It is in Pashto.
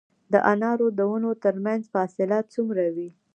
د انارو د ونو ترمنځ فاصله څومره وي؟